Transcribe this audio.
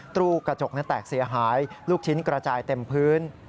ตู้กระจกนั้นแตกเสียหายลูกชิ้นกระจายเต็มพื้น